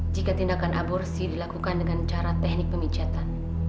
jika tindakan aborsi dilakukan dengan cara teknik pemijatan